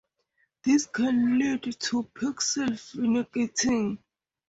This can lead to pixel vignetting.